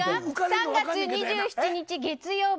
３月２７日月曜日